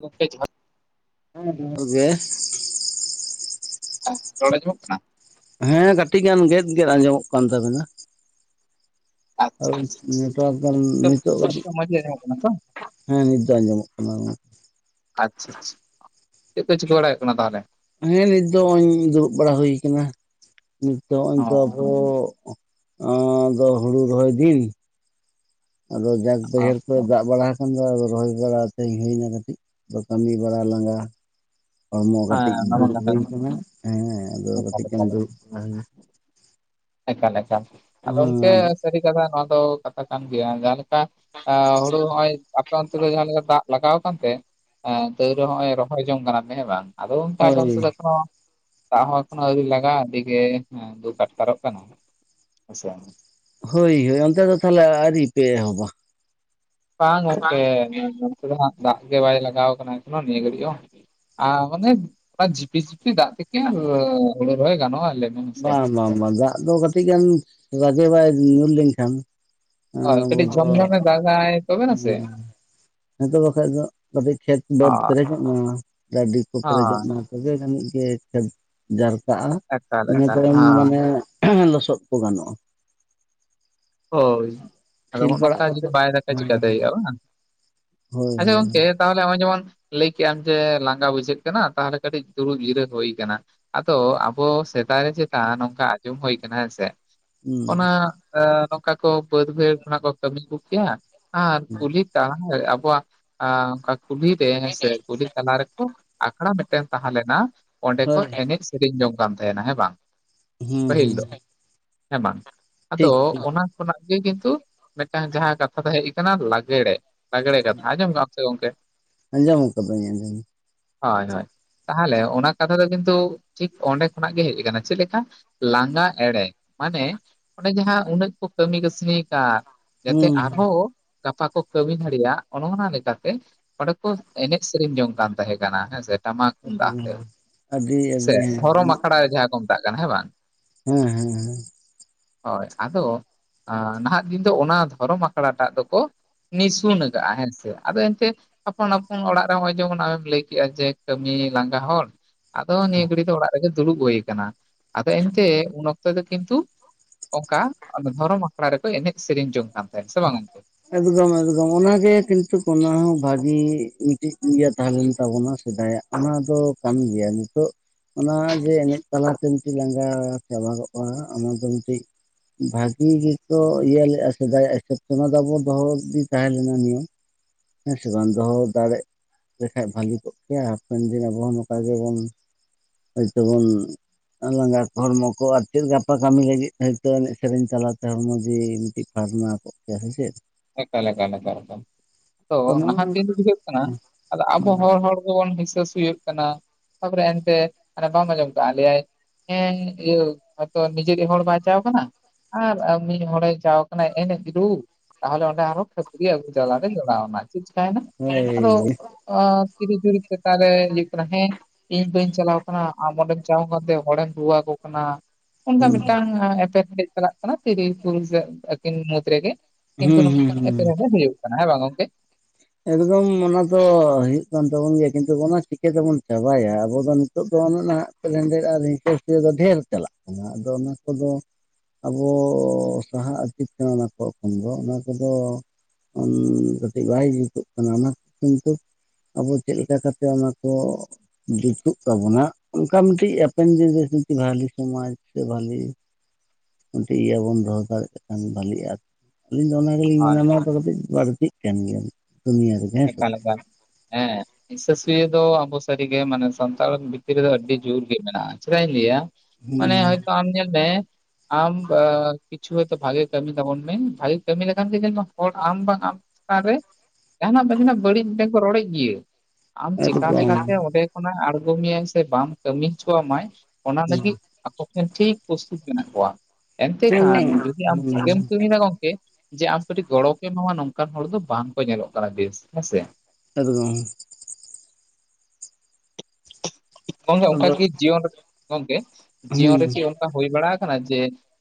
ᱜᱚᱝᱠᱮ ᱡᱚᱦᱟᱨ ᱦᱮᱸᱦᱮ ᱠᱩᱜᱮ ᱨᱚᱲ ᱡᱚᱢᱚᱜ ᱠᱟᱱᱟ ᱦᱮᱸ ᱠᱟᱹᱴᱤᱡ ᱜᱟᱱ ᱜᱮᱫ ᱜᱮᱫ ᱟᱸᱡᱚᱢᱚᱜ ᱠᱟᱱ ᱛᱟᱵᱮᱱᱟ ᱟ ᱟᱪᱪᱷᱟ ᱱᱮᱴᱣᱟᱨ ᱫᱚ [unintelligible] ᱱᱤᱛᱚᱜ ᱟᱪᱪᱷᱟ ᱢᱚᱸᱡᱽ ᱜᱮ ᱟᱸᱡᱚᱢᱚᱜ ᱠᱟᱱᱟ ᱛᱚ ᱦᱮᱸ ᱱᱤᱛ ᱫᱚ ᱟᱸᱡᱚᱢᱚᱜ ᱠᱟᱱᱟ ᱟᱪᱷᱟ ᱪᱷᱟ ᱪᱮᱫ ᱠᱚ ᱪᱤᱠᱟᱹ ᱵᱟᱲᱟᱭ ᱦᱩᱭᱩᱜ ᱠᱟᱱᱟ ᱛᱟᱦᱚᱞᱮ? ᱦᱮᱸ ᱱᱤᱛ ᱫᱚ ᱱᱚᱜᱼᱚᱭ ᱫᱩᱲᱩᱵ ᱵᱟᱲᱟ ᱦᱩᱭ ᱠᱟᱱᱟ ᱱᱤᱛ ᱫᱚ ᱦᱚᱸᱜᱼᱚᱭ ᱛᱚ ᱚ ᱟᱵᱚ ᱟᱫᱚ ᱦᱩᱲᱩ ᱨᱚᱦᱚᱭ ᱫᱤᱱ ᱟᱫᱚ ᱡᱟᱸᱠ ᱵᱟᱹᱭᱦᱟᱹᱲ ᱠᱚᱨᱮ ᱫᱟᱜ ᱵᱟᱲᱟ ᱟᱠᱟᱱ ᱫᱚ ᱟᱫᱚ ᱨᱚᱦ ᱵᱟᱲᱟ ᱠᱟᱛᱮᱧ ᱦᱩᱭᱱᱟ ᱠᱟᱹᱴᱤᱡ ᱫᱚ ᱠᱟᱹᱢᱤ ᱵᱟᱲᱟ ᱞᱟᱸᱜᱟ ᱦᱚᱲᱢᱚ ᱦᱮᱸ ᱠᱟᱹᱴᱤᱡ ᱚᱱᱟ ᱢᱟ ᱫᱩᱲᱩᱵ ᱠᱟᱛᱷᱟ ᱦᱩᱭ ᱜᱮ, ᱟᱠᱟᱱᱟ ᱦᱮᱸ ᱟᱫᱚ ᱮᱠᱟᱞ ᱠᱟᱹᱴᱤᱡ ᱮᱢ ᱮᱠᱟᱞ ᱫᱩᱲᱩᱵ ᱮᱠᱟᱞ ᱮᱠᱟᱞ ᱟᱫᱚ ᱚᱱᱠᱮ ᱥᱟᱹᱨᱤ ᱠᱟᱛᱷᱟ ᱱᱚᱶᱟ ᱫᱚ ᱠᱟᱛᱷᱟ ᱠᱟᱱ ᱜᱮᱭᱟ ᱡᱟᱦᱟᱸ ᱞᱮᱠᱟ ᱟ ᱦᱩᱲᱩ ᱦᱚᱜᱚᱭ ᱟᱯᱮ ᱚᱱᱛᱮ ᱫᱚ ᱡᱟᱦᱟᱸ ᱞᱮᱠᱟ ᱫᱟᱜ ᱞᱟᱜᱟᱣ ᱟᱠᱛᱮ ᱛᱟᱹᱭ ᱨᱮ ᱱᱚᱜ ᱚᱭ ᱨᱚᱦᱚᱭ ᱡᱚᱝ ᱠᱟᱱᱟ ᱯᱮ ᱦᱮᱸ ᱵᱟᱝ᱾ ᱟᱫᱚ ᱛᱞ [inaudible] ᱛᱫᱠ ᱛᱦᱩ ᱦᱳᱭ ᱮᱠᱚᱱᱚ ᱟ ᱞᱟᱜᱟ ᱼᱟ ᱟᱰᱤᱜᱮ ᱫᱩᱠ ᱟᱴᱠᱟᱨᱚᱜ ᱠᱟᱱᱟ ᱟᱥᱟ ᱦᱳᱭ ᱦᱳᱭ ᱚᱱᱛᱮ ᱫᱚ ᱛᱟᱦᱚᱞᱮ ᱟᱹᱣᱨᱤ ᱯᱮ ᱮᱦᱚᱵᱟ ᱵᱟᱝ ᱜᱚᱝᱠᱮ ᱫᱟᱜ ᱜᱮ ᱵᱟᱭ ᱞᱟᱜᱟᱣ ᱠᱟᱱᱟ ᱱᱚᱜᱼᱚᱭ ᱱᱤᱭᱟᱹ ᱜᱷᱟᱹᱲᱤᱡ ᱦᱚᱸ ᱟᱨ ᱚᱱᱮ ᱚᱱᱟ ᱡᱷᱤᱯᱤᱨ ᱡᱤᱯᱤᱨ ᱫᱟᱜ ᱛᱮᱠᱮ ᱦᱩᱲᱩ ᱨᱚᱦᱚᱭ ᱜᱟᱱᱚᱜᱼᱟ ᱦᱮᱸᱥᱮ ᱵᱟᱝ ᱵᱟᱝ ᱫᱟᱜ ᱫᱚ ᱠᱟᱹᱴᱤᱡ ᱜᱟᱱ ᱨᱟᱡᱮ ᱵᱟᱭ ᱧᱩᱨ ᱞᱮᱱᱠᱷᱟᱱ ᱦᱚᱭ ᱟᱵᱚ ᱠᱟᱹᱴᱤᱡ ᱫᱚ ᱡᱚᱷᱢ ᱡᱷᱚᱢᱮ ᱫᱟᱜᱟᱭ ᱛᱚᱵᱱᱟ ᱥᱮ ᱦᱮᱸ ᱛᱚ ᱵᱟᱠᱟᱱᱡ ᱫᱚ ᱠᱟᱹᱴᱤᱡ ᱠᱷᱮᱛ ᱵᱟᱹᱫᱽ ᱦᱳᱭ ᱯᱮᱨᱮᱡᱚᱜ ᱢᱟ ᱜᱟᱹᱰᱤ ᱠᱚ ᱯᱮᱨᱮᱡᱚᱜ ᱦᱳᱭ ᱢᱟ ᱛᱚᱵᱮ ᱡᱟᱹᱱᱤᱡ ᱜᱮ ᱡᱟᱨᱠᱟᱜᱼᱟ ᱮᱠᱟᱞ ᱤᱱᱟᱹ ᱮᱠᱟᱞ ᱛᱟᱭᱚᱢ ᱦᱳᱭ ᱢᱟᱱᱮ ᱞᱚᱥᱚᱫ ᱠᱚ ᱜᱟᱱᱚᱜᱼᱟ ᱦᱚᱭ ᱟᱫᱚ ᱥᱤᱞ ᱦᱚᱜ ᱵᱟᱲᱟ ᱱᱚᱝᱠᱟ ᱡᱩᱫᱤ ᱠᱟᱛᱮᱫ ᱵᱟᱭ ᱫᱟᱜᱼᱟ ᱪᱤᱠᱟ ᱦᱮᱸ ᱫᱟᱲᱮᱭᱟᱜᱼᱟ ᱵᱟᱝ ᱦᱳᱭ ᱦᱳᱭ ᱟᱪᱷᱟ ᱜᱚᱝᱠᱮ ᱛᱟᱦᱚᱞᱮ ᱱᱚᱜᱚᱭ ᱡᱮᱢᱚᱱ ᱞᱟᱹᱭ ᱠᱮᱫ ᱟᱢ ᱡᱮ ᱞᱟᱸᱜᱟ ᱵᱩᱡᱷᱟᱹᱜ ᱠᱟᱱᱟ ᱛᱟᱦᱚᱞᱮ ᱠᱟᱹᱴᱤᱡ ᱫᱩᱲᱩᱵ ᱡᱤᱨᱟᱹ ᱦᱩᱭ ᱠᱟᱱᱟ ᱟᱫᱚ ᱟᱵᱚ ᱥᱮᱫᱟᱭ ᱨᱮ ᱪᱮᱛᱟ ᱱᱚᱝᱠᱟ ᱟᱸᱡᱚᱢ ᱦᱩᱭ ᱠᱟᱱᱟ ᱦᱮᱸᱥᱮ ᱦᱩᱸ ᱚᱱᱟ ᱱᱚᱝᱠᱟ ᱠᱚ ᱵᱟᱹᱫᱽ ᱵᱹᱟᱭᱦᱟᱲ ᱠᱷᱚᱱᱟᱜ ᱠᱚ ᱠᱟᱹᱢᱤ ᱟᱹᱜᱩ ᱠᱮᱭᱟ ᱟᱨ ᱠᱩᱞᱤ ᱟᱵᱚᱣᱟᱜ ᱟ ᱚᱱᱠᱟ ᱠᱩᱞᱦᱤᱨᱮ ᱥᱮ ᱠᱩᱞᱦᱤ ᱛᱟᱞᱟ ᱨᱮᱠᱚ ᱟᱠᱷᱲᱟ ᱢᱤᱫ ᱴᱮᱱ ᱛᱟᱦᱞᱮᱱᱟ ᱚᱸᱰᱮ ᱦᱳᱭ ᱠᱚ ᱮᱱᱮᱡ ᱥᱮᱨᱮᱧ ᱡᱚᱝ ᱠᱟᱱ ᱛᱟᱦᱮᱱᱟ ᱦᱮᱸ ᱵᱟᱝ ᱦᱩᱸ ᱯᱟᱹᱦᱤᱞ ᱦᱩᱸ ᱫᱚ ᱦᱮᱸ ᱵᱟᱝ ᱴᱷᱤᱠ ᱟᱫᱚ ᱴᱷᱤᱠ [unintelligible] ᱠᱷᱚᱱᱟᱜ ᱜᱮ ᱠᱤᱱᱛᱩ ᱢᱤᱫᱴᱟᱝ ᱡᱟᱦᱟᱸ ᱠᱟᱛᱷᱟ ᱫᱚ ᱦᱮᱡ ᱟᱠᱟᱱᱟ ᱞᱟᱜᱽᱲᱮ ᱞᱟᱜᱲᱮ ᱠᱟᱛᱷᱟ ᱟᱱᱡᱚᱢ ᱠᱟ ᱟᱢ ᱥᱮ ᱜᱚᱢᱠᱮ? ᱟᱸᱡᱚᱢ ᱠᱟᱹᱫᱟᱹᱧ ᱟᱸᱡᱚᱢ ᱦᱳᱭ ᱦᱳᱭ ᱛᱟᱦᱚᱞᱮ ᱚᱱᱟ ᱠᱟᱛᱷᱟ ᱫᱚ ᱠᱤᱱᱛᱩ ᱴᱷᱤᱠ ᱚᱱᱰᱮ ᱠᱷᱚᱱᱟᱜ ᱜᱮ ᱦᱮᱡ ᱟᱠᱟᱱᱟ ᱪᱮᱫ ᱞᱮᱠᱟ ᱞᱟᱸᱜᱟ ᱮᱲᱮ ᱢᱟᱱᱮ ᱚᱱᱮ ᱡᱟᱦᱟᱸ ᱩᱱᱟᱹᱜ ᱠᱟᱹᱢᱤ ᱠᱟᱹᱥᱱᱤᱭᱠᱟ ᱡᱟᱛᱮ ᱦᱩᱸ ᱟᱨᱦᱚᱸ ᱜᱟᱯᱟ ᱠᱚ ᱠᱟᱹᱢᱤ ᱫᱷᱟᱲᱮᱭᱟᱜ ᱚᱱᱟ ᱚᱱᱟ ᱞᱮᱠᱟᱛᱮ ᱚᱱᱰᱮ ᱠᱚ ᱮᱱᱮᱡ ᱥᱮᱨᱮᱧ ᱡᱚᱝ ᱠᱟᱱ ᱛᱟᱦᱮᱸ ᱠᱟᱱᱟ ᱦᱮᱸᱥᱮ ᱴᱟᱢᱟᱠ ᱛᱩᱢᱫᱟᱜ ᱦᱩᱸ ᱟᱛᱮ ᱟᱹᱰᱤ ᱥᱮ ᱟᱹᱰᱤ ᱦᱮᱸ ᱫᱷᱚᱨᱚᱢ ᱟᱠᱷᱲᱟ ᱡᱟᱦᱟᱸ ᱠᱚ ᱢᱮᱛᱟᱜ ᱠᱟᱱᱟ ᱦᱮᱸ ᱵᱟᱝ ᱦᱮᱸ ᱦᱮᱸ ᱦᱮᱸ ᱦᱳᱭ ᱟᱫᱚ ᱱᱟᱦᱟᱜ ᱫᱤᱱ ᱫᱚ ᱚᱱᱟ ᱫᱷᱚᱨᱚᱢ ᱟᱠᱷᱲᱟᱴᱟᱜ ᱫᱚᱠᱚ ᱱᱤᱥᱩᱱᱠᱟᱜ-ᱟ ᱦᱮᱸ ᱥᱮ ᱟᱫᱚ ᱮᱱᱛᱮ ᱟᱯᱟᱱ ᱟᱯᱚᱱ ᱚᱲᱟᱜ ᱨᱮ ᱱᱚᱜᱚᱭ ᱡᱮᱢᱚᱱ ᱟᱢᱮᱢ ᱞᱟᱹᱭ ᱠᱮᱫᱼᱟ ᱡᱮ ᱠᱟᱹᱢᱤ ᱞᱟᱸᱜᱟ ᱦᱚᱲ ᱟᱫᱚ ᱱᱤᱭᱟᱹ ᱜᱷᱟᱹᱲᱤ ᱫᱚ ᱚᱲᱟᱜ ᱨᱮᱜᱮ ᱫᱩᱲᱩᱵ ᱦᱩᱭ ᱠᱟᱱᱟ ᱟᱫᱚ ᱮᱱᱛᱮ ᱩᱱ ᱚᱠᱛᱚ ᱫᱚ ᱠᱤᱱᱛᱩ ᱚᱱᱠᱟ ᱫᱷᱚᱨᱚᱢ ᱟᱠᱷᱲᱟ ᱨᱮᱠᱚ ᱮᱱᱮᱡ ᱥᱮᱨᱮᱧ ᱡᱚᱝ ᱠᱟᱱ ᱛᱟᱦᱮᱸᱫ ᱥᱮ ᱵᱟᱝ ᱜᱚᱝᱠᱮ ᱮᱠᱫᱚᱢ ᱮᱠᱫᱚᱢ ᱚᱱᱟᱜᱮ ᱠᱤᱱᱛᱩ ᱚᱱᱟ ᱦᱚᱸ ᱵᱷᱟᱜᱤ ᱢᱤᱫᱴᱤᱡ ᱤᱭᱟᱹ ᱛᱟᱦᱮᱸᱞᱮᱱ ᱛᱟᱵᱚᱱᱟ ᱥᱮᱫᱟᱭᱟᱜ ᱚᱱᱟ ᱫᱚ ᱠᱟᱹᱢᱤ ᱜᱮᱭᱟ ᱱᱤᱛᱚᱜ ᱚᱱᱟ ᱡᱮ ᱮᱱᱮᱡ ᱛᱟᱞᱟᱛᱮ ᱢᱤᱫᱴᱮᱱ ᱞᱟᱸᱜᱟ ᱪᱟᱵᱟᱚᱜᱼᱟ ᱚᱱᱟ ᱫᱚ ᱢᱤᱫᱴᱤᱡ ᱵᱷᱟᱜᱤ ᱜᱮᱠᱚ ᱤᱭᱟᱹ ᱞᱮᱜᱼᱟ ᱥᱮᱫᱟᱭᱟᱜ ᱦᱤᱥᱟᱹᱵ ᱛᱮᱢᱟ ᱵᱟᱵᱚ ᱫᱚᱦᱚ ᱤᱫᱤ ᱛᱟᱦᱮᱸ ᱞᱮᱱᱟ ᱱᱤᱭᱟᱹ ᱦᱮᱸ ᱥᱮ ᱵᱟᱝ ᱫᱚᱦᱚ ᱫᱟᱲᱮᱜ ᱞᱮᱠᱷᱟᱡ ᱵᱷᱟᱞᱤ ᱠᱚᱜ ᱜᱮᱭᱟ ᱦᱟᱯᱮᱱ ᱫᱤᱱ ᱟᱵᱚ ᱦᱚᱸ ᱱᱚᱝᱠᱟ ᱜᱮᱵᱚᱱ ᱦᱳᱭᱛᱚᱵᱚᱱ ᱞᱟᱸᱜᱟ ᱦᱚᱲᱢᱚ ᱠᱚ ᱟᱨ ᱪᱮᱫ ᱜᱟᱯᱟ ᱠᱟᱹᱢᱤ ᱞᱟᱹᱜᱤᱫ ᱦᱚᱭᱛᱳ ᱮᱱᱮᱡ ᱥᱮᱨᱮᱧ ᱛᱟᱞᱟᱛᱮ ᱦᱚᱲᱢᱚ ᱡᱮ ᱢᱤᱫᱴᱤ ᱯᱷᱟᱨᱱᱟ ᱠᱚᱜ ᱠᱮᱭᱟ ᱦᱮᱸ ᱪᱮᱫ ᱮᱠᱟᱞ ᱮᱠᱟᱞ ᱮᱠᱟᱞ ᱮᱠᱟᱞ ᱛᱚ ᱱᱟᱦᱟᱜ ᱫᱤᱱ ᱜᱮ ᱦᱩᱭᱩᱜ ᱠᱟᱱᱟ ᱟᱫᱚ ᱟᱵᱚ ᱦᱚᱲ ᱦᱚᱲ ᱜᱮᱵᱚᱱ ᱦᱤᱸᱥᱟᱹ ᱦ ᱥᱩᱭᱟᱜ ᱠᱟᱱᱟ ᱛᱟᱯᱚᱨᱮ ᱮᱱᱛᱮ [unintelligible] ᱵᱟᱢ ᱟᱸᱡᱚᱢ ᱠᱟᱜ ᱞᱮᱹᱭ ᱟᱭ ᱦᱮᱸ ᱤᱭᱟᱹ ᱦᱚᱛᱚ ᱱᱤᱡᱮ ᱜᱮ ᱦᱚᱲ ᱵᱟᱭᱪᱟᱣ ᱠᱟᱱᱟ ᱟᱨ ᱢᱤᱫ ᱦᱚᱲ ᱮ ᱪᱟᱣ ᱠᱟᱱᱟ ᱮᱱᱮᱡ ᱨᱩᱸ ᱛᱟᱦᱚᱞᱮ ᱚᱸᱰᱮ ᱟᱨᱦᱚᱸ ᱠᱷᱟᱹᱯᱟᱹᱨᱤᱭᱟᱹ ᱟᱹᱜᱩ ᱪᱟᱞᱟᱜᱮ ᱡᱚᱲᱟᱣᱱᱟ ᱪᱮᱫ ᱪᱤᱠᱟᱭᱮᱱᱟ ᱟᱫᱚ? ᱦᱳᱭ [inaudible] ᱤᱧ ᱵᱟᱹᱧ ᱪᱟᱞᱟᱣ ᱠᱟᱱᱟ ᱟᱢ ᱚᱸᱰᱮᱢ ᱪᱟᱣ ᱠᱟᱱᱛᱮ ᱦᱚᱲᱮᱢ ᱨᱩᱣᱟᱠᱚ ᱠᱟᱱᱟ ᱚᱱᱠᱟ ᱦᱩᱸ ᱢᱤᱫᱴᱟᱝ ᱮᱯᱮᱨ ᱦᱮᱸᱰᱮᱡ ᱪᱟᱞᱟᱜ ᱠᱟᱱᱟ ᱛᱤᱨᱤ ᱯᱟᱨᱩᱥ ᱟᱹᱠᱤᱱ ᱢᱩᱫᱽ ᱨᱮᱜᱮ ᱠᱤᱱᱛᱩ ᱦᱩᱸ ᱦᱩᱸ ᱟᱛᱩ ᱦᱩᱸ ᱨᱮᱫᱚ ᱦᱩᱭᱩᱜ ᱠᱟᱱᱟ ᱦᱮᱸ ᱵᱟᱝ ᱜᱚᱝᱠᱮ ᱮᱠᱫᱚᱢ ᱚᱱᱟ ᱫᱚ ᱦᱩᱭᱩᱜ ᱠᱟᱱ ᱛᱟᱵᱚᱱ ᱜᱮᱭᱟ ᱠᱤᱱᱛᱩ ᱚᱱᱟ ᱪᱤᱠᱟᱹ ᱛᱮᱵᱚᱱ ᱪᱟᱵᱟᱭᱟ ᱟᱵᱚ ᱫᱚ ᱱᱤᱛᱚᱜ ᱫᱚ ᱚᱱᱮ ᱱᱟᱦᱟᱜ ᱠᱮᱞᱮᱱᱰᱟᱨ ᱟᱨ ᱦᱤᱥᱟᱹᱥᱩᱭᱟᱹ ᱫᱚ ᱰᱷᱮᱨ ᱪᱟᱞᱟᱜ ᱠᱟᱱᱟ ᱟᱫᱚ ᱚᱱᱟ ᱠᱚᱫᱚ ᱟᱵᱚ ᱥᱟᱦᱟᱜ ᱟᱹᱛ ᱠᱟᱱᱟ ᱚᱱᱟ ᱠᱚ ᱠᱷᱚᱱ ᱫᱚ ᱚᱱᱟ ᱠᱚᱫᱚ ᱦᱮᱸ ᱠᱟᱹᱴᱤᱡ ᱵᱟᱭ ᱡᱩᱛᱩᱜ ᱠᱟᱱᱟ ᱚᱱᱟᱛᱮ ᱠᱤᱱᱛᱩ ᱟᱵᱚ ᱪᱮᱫ ᱞᱮᱠᱟ ᱠᱟᱛᱮᱜ ᱚᱱᱟᱠᱚ ᱡᱩᱛᱩᱜ ᱛᱟᱵᱚᱱᱟ ᱚᱱᱠᱟ ᱢᱤᱫᱴᱤᱡ ᱦᱟᱯᱮᱱ ᱫᱤᱱᱨᱮ ᱵᱷᱟᱹᱞᱤ ᱥᱚᱢᱟᱡᱽ ᱥᱮ ᱵᱷᱟᱹᱞᱤ [inaudible] ᱤᱭᱟᱹ ᱵᱚᱱ ᱫᱚᱦᱚ ᱫᱟᱲᱮᱭᱟᱜ ᱠᱷᱟᱱ ᱵᱷᱟᱹᱞᱤᱜᱼᱟ ᱟᱨ ᱟᱹᱞᱤᱧ ᱫᱚ ᱚᱱᱟ ᱜᱮᱞᱤᱧ ᱦᱳᱭ ᱢᱮᱱᱟ ᱱᱚᱶᱟ ᱫᱚ ᱠᱟᱹᱴᱤᱡ ᱵᱟᱹᱲᱛᱤ ᱠᱟᱱ ᱜᱮᱭᱟ ᱫᱤᱭᱮ ᱮᱠᱟᱞ ᱮᱠᱟᱞ ᱦᱮᱸ ᱦᱤᱥᱟᱹ ᱥᱤᱭᱟᱹ ᱫᱚ ᱟᱵᱚ ᱥᱟᱹᱨᱤᱜᱮ ᱢᱟᱱᱮ ᱥᱟᱱᱛᱟᱲ ᱵᱷᱤᱛᱤᱨ ᱨᱮᱫᱚ ᱟᱹᱰᱤ ᱡᱳᱨ ᱜᱮ ᱢᱮᱱᱟᱜᱼᱟ ᱪᱮᱫᱟᱜ ᱤᱧ ᱞᱟᱹᱭ-ᱟ? ᱢᱟᱱᱮ ᱦᱚᱭᱛᱚ ᱟᱢ ᱧᱮᱞ ᱢᱮ ᱟᱢ ᱠᱤᱪᱷᱩ ᱦᱚᱭᱛᱚ ᱵᱷᱟᱜᱮ ᱠᱟᱹᱢᱤ ᱛᱟᱵᱚᱱ ᱢᱮ ᱵᱷᱟᱜᱮ ᱠᱟᱹᱢᱤ ᱞᱮᱠᱷᱟᱱ ᱦᱚᱲ ᱟᱢ ᱵᱟᱝ ᱟᱢ ᱛᱟᱱ ᱨᱮ ᱡᱟᱦᱟᱱᱟᱜ ᱵᱟᱹᱲᱤᱡ ᱢᱤᱫ ᱴᱮᱱ ᱠᱚ ᱨᱚᱲᱮᱫ ᱜᱤᱭᱟᱹ ᱟᱢ ᱟᱹᱰᱤ ᱪᱮᱠᱟ ᱠᱚᱢ ᱦᱮᱸ ᱞᱮᱠᱟᱛᱮ ᱚᱸᱰᱮ ᱚᱱᱟ ᱟᱬᱸᱜᱚ ᱢᱮᱭᱟᱭ ᱥᱮ ᱵᱟᱢ ᱠᱟᱹᱢᱤ ᱦᱚᱪᱚᱣᱟ ᱢᱟᱭ ᱚᱱᱟ ᱞᱟᱹᱜᱤᱫ ᱟᱠᱚ ᱴᱷᱮᱱ ᱴᱷᱤᱠ ᱯᱨᱚᱥᱛᱩᱛ ᱢᱮᱱᱟᱜ ᱠᱚᱣᱟ ᱮᱱᱛᱮ ᱠᱷᱟᱱ ᱟᱹᱰᱤ ᱡᱩᱫᱤ ᱟᱢ ᱵᱷᱟᱜᱮᱢ ᱠᱚᱢ ᱠᱟᱹᱢᱤᱭᱮᱫᱟ ᱜᱚᱢᱠᱮ ᱡᱮ ᱟᱢ ᱠᱟᱹᱴᱤᱡ ᱜᱚᱲᱚ ᱠᱚ ᱮᱢᱟᱢᱟ ᱱᱚᱝᱠᱟᱱ ᱦᱚᱲ ᱫᱚ ᱵᱟᱝ ᱠᱚ ᱧᱮᱞᱚᱜ ᱠᱟᱱᱟ ᱵᱮᱥ ᱦᱮᱸᱥᱮ ᱮᱠᱫᱚᱢ ᱜᱚᱝᱠᱮ ᱚᱱᱠᱟ ᱠᱤ ᱡᱤᱭᱚᱱ ᱨᱮ ᱜᱚᱝᱠᱮ ᱡᱤᱭᱚᱱ ᱦᱩᱸ ᱨᱮᱠᱤ ᱚᱱᱠᱟ ᱦᱩᱭ ᱵᱟᱲᱟ ᱠᱟᱱᱟ ᱡᱮ